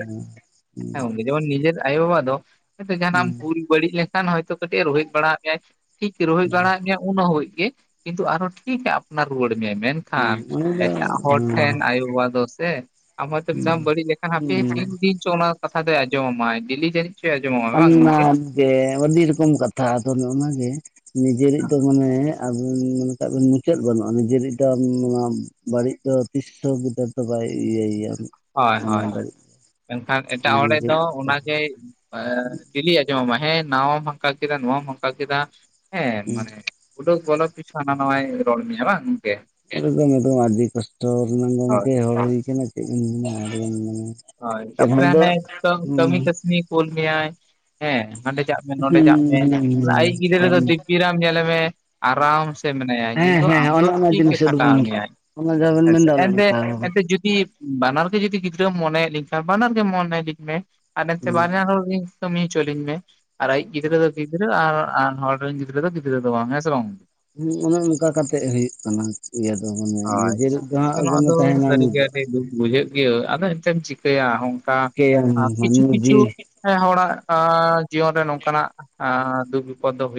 ᱩ ᱦᱮᱸ ᱩᱱᱤ ᱡᱮᱢᱚᱱ ᱱᱤᱡᱮᱨ ᱟᱭᱳᱼᱵᱟᱵᱟ ᱦᱚᱭᱛᱚ ᱡᱟᱦᱟᱱᱟᱜ ᱵᱷᱩᱞ ᱵᱟᱹᱲᱤᱡ ᱞᱮᱱᱠᱷᱟᱱ ᱦᱚᱭᱛᱚ ᱠᱟᱹᱴᱤᱪ ᱮ ᱨᱳᱦᱮᱫ ᱵᱟᱲᱟ ᱟᱫ ᱢᱮᱭᱟᱭ ᱴᱷᱤᱠ ᱨᱚᱦᱮᱫ ᱵᱟᱲᱟᱫ ᱢᱮᱭᱟ ᱩᱱ ᱦᱟᱹᱵᱤᱡ ᱜᱮ ᱠᱤᱱᱛᱩ ᱟᱨᱦᱚ ᱴᱷᱤᱠᱮ ᱟᱯᱱᱟᱨ ᱨᱩᱣᱟᱹᱲ ᱢᱮᱭᱟᱭ ᱢᱮᱱ ᱠᱷᱟᱱ ᱚᱱᱟ ᱫᱚ ᱮᱴᱟᱜ ᱦᱚᱲ ᱦᱩᱸ ᱴᱷᱮᱱ ᱦᱩᱸ ᱟᱭᱳ-ᱵᱟᱵᱟ ᱫᱚᱥ ᱛᱮ ᱟᱢ ᱦᱚᱭᱛᱚ ᱢᱤᱫ ᱫᱷᱟᱣᱮᱢ ᱵᱟᱹᱲᱤᱡ ᱟᱠᱟᱱᱟ ᱦᱟᱯᱮ ᱦᱩᱸ ᱛᱤᱱ ᱫᱤᱱ ᱪᱚ ᱚᱱᱟ ᱠᱟᱛᱷᱟ ᱫᱚᱭ ᱟᱸᱡᱚᱢ ᱟᱢᱟᱭ ᱰᱮᱞᱤ ᱡᱟᱹᱱᱤᱡ ᱪᱚᱭ ᱟᱸᱡᱚᱢᱟᱢᱟᱭ ᱵᱟᱝ ᱚᱱᱼᱱᱟ ᱜᱚᱝᱠᱮ? ᱜᱮ ᱟᱹᱰᱤ ᱨᱚᱠᱚᱢ ᱠᱟᱛᱷᱟ ᱟᱫᱚ ᱱᱚᱜ ᱱᱚᱣᱟ ᱜᱮ ᱱᱤᱡᱮᱨᱤᱡ ᱫᱚ ᱢᱟᱱᱮ ᱟᱹᱵᱤᱱ ᱢᱮᱱ ᱠᱟᱜ ᱵᱤᱱ ᱢᱩᱪᱟᱹᱫ ᱵᱟᱹᱱᱩᱜᱼᱟ ᱱᱤᱡᱮᱨᱤᱡ ᱫᱚ ᱚᱱᱟ ᱵᱟᱹᱲᱤᱡ ᱫᱚ ᱛᱤᱥ ᱦᱚᱸ ᱛᱚ ᱵᱟᱭ ᱤᱭᱟᱹᱭᱟ ᱦᱚᱭ ᱦᱚᱭ ᱮᱱᱠᱷᱟᱱ ᱮᱴᱟᱜ ᱦᱚᱲᱮᱜ ᱫᱚ ᱚᱱᱟ ᱜᱮ ᱰᱮᱞᱤ ᱟᱸᱡᱚᱢᱚᱜᱼᱢᱟ ᱦᱮᱸ ᱱᱟᱣᱟᱢ ᱦᱟᱱᱠᱟ ᱠᱮᱫᱟ ᱱᱚᱣᱟᱢ ᱦᱟᱱᱠᱟ ᱠᱮᱫᱟ ᱦᱮᱸ ᱢᱟᱱᱮ ᱳᱰᱳᱠ ᱵᱚᱞᱚ ᱯᱤᱪᱷᱩ ᱦᱟᱱᱟ ᱱᱷᱟᱣᱟᱭ ᱨᱚᱲ ᱢᱮᱭᱟ ᱵᱟᱝ ᱜᱚᱝᱠᱮ ᱮ ᱜᱚᱢᱠᱮ ᱱᱤᱛᱚᱜ ᱟᱹᱰᱤ ᱠᱚᱥᱴᱚ ᱨᱮᱱᱟᱜ ᱦᱳᱭ ᱜᱚᱝᱠᱮ ᱦᱚᱲ ᱦᱩᱭ ᱟᱠᱟᱱᱟ ᱪᱮᱫ ᱵᱤᱱ ᱢᱮᱱᱟ ᱟᱹᱰᱤ ᱜᱟᱱ ᱦᱚᱭ ᱛᱟᱯᱚᱨᱮ ᱦᱟᱱᱮ ᱠᱟᱹᱢ ᱠᱟᱹᱢᱤ ᱠᱟᱹᱥᱱᱤ ᱠᱩᱞ ᱢᱮᱭᱟᱭ ᱦᱮᱸ ᱦᱟᱸᱰᱮ ᱪᱟᱜ ᱢᱮ ᱱᱚᱸᱰᱮ ᱪᱟᱜ ᱢᱮ ᱟᱹᱭᱤᱡ ᱜᱤᱫᱽᱨᱟᱹᱫᱚ ᱫᱤᱯᱤᱨᱟᱢ ᱧᱮᱞᱮ ᱢᱮ ᱟᱨᱟᱢ ᱥᱮ ᱛᱮ ᱢᱮᱱᱟᱭᱟ ᱦᱮᱸ ᱠᱤᱱᱛᱩ ᱟᱢ ᱦᱮᱸ ᱫᱚ ᱚᱱᱮ ᱚᱱᱟ ᱴᱷᱤᱠ ᱜᱮ ᱡᱤᱱᱤᱥ ᱠᱷᱟᱴᱟᱣ ᱮᱠᱫᱚᱢ ᱢᱮᱭᱟᱭ ᱚᱱᱟ ᱡᱟᱦᱟᱸ ᱵᱮᱱ ᱦᱮᱸᱥᱮ ᱢᱮᱱᱫᱟ ᱚᱱᱮ ᱮᱸᱰᱮ ᱚᱱᱠᱟ ᱮᱸᱰᱮ ᱦᱩᱸ ᱡᱩᱫᱤ ᱵᱟᱱᱟᱨ ᱜᱮ ᱡᱩᱫᱤ ᱜᱤᱫᱽᱨᱟᱹ ᱢᱚᱱᱮᱭᱮᱫ ᱞᱤᱧ ᱠᱷᱟᱱ ᱵᱟᱱᱟᱨ ᱜᱮ ᱢᱚᱱᱮ ᱞᱤᱧ ᱢᱮ ᱟᱨ ᱮᱱᱛᱮ ᱵᱟᱱᱟᱨ ᱦᱚᱲ ᱨᱤ ᱠᱟᱹᱢᱤ ᱦᱚᱪᱚ ᱞᱤᱧ ᱢᱮ ᱟᱨ ᱟᱹᱭᱤᱡ ᱜᱤᱫᱽᱨᱟᱹ ᱫᱚ ᱜᱤᱫᱽᱨᱟᱹ ᱟᱨ ᱦᱚᱲ ᱨᱮᱱ ᱜᱤᱫᱽᱨᱟᱹ ᱫᱚ ᱜᱤᱫᱽᱨᱟᱹ ᱫᱚ ᱵᱟᱝ ᱦᱮᱸ ᱥᱮ ᱵᱟᱝ ᱦᱮᱸ ᱚᱱᱮ ᱚᱱᱠᱟ ᱠᱟᱛᱮᱜ ᱦᱩᱭᱩᱜ ᱠᱟᱱᱟ ᱤᱭᱟᱹ ᱫᱚ ᱢᱟᱱᱮ ᱦᱳᱭ ᱱᱤᱡᱮᱨᱤᱡ ᱫᱚ ᱦᱟᱸᱜ ᱱᱚᱣᱟ ᱟᱜᱚᱢᱮ ᱫᱚ ᱛᱟᱦᱮᱱᱟ ᱱᱤᱛ ᱥᱟᱹᱨᱤᱜᱮ ᱫᱚ ᱟᱹᱰᱤ ᱫᱩᱠ ᱵᱩᱡᱷᱟᱹᱜ ᱜᱮᱭᱟᱹ ᱟᱫᱚ ᱮᱱ ᱛᱮᱢ ᱪᱤᱠᱟᱹᱭᱟ ᱚᱱᱠᱟ ᱪᱤᱠᱟᱹᱭᱟᱢ ᱠᱤᱪᱷᱩ ᱢᱟᱹᱱᱢᱤ ᱠᱤᱪᱷᱩ ᱡᱤᱣᱤ ᱦᱮᱸ ᱦᱚᱲᱟᱜ ᱟᱸᱻ ᱡᱤᱭᱚᱱ ᱨᱮ ᱱᱚᱝᱠᱟ ᱱᱟᱜ ᱟᱸᱻ ᱫᱩᱠ ᱵᱤᱯᱚᱫᱽ ᱫᱚ ᱦᱩᱭᱩᱜ